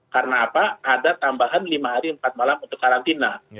karena apa ada tambahan lima hari empat malam untuk karatina